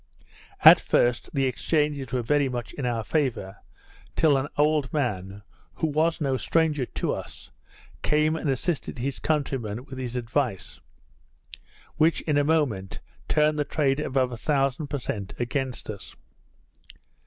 At first, the exchanges were very much in our favour, till an old man, who was no stranger to us, came and assisted his countrymen with his advice; which, in a moment, turned the trade above a thousand per cent, against us.